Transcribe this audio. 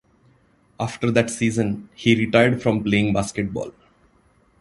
After that season, he retired from playing basketball.